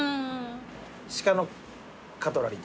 鹿のカトラリーとか。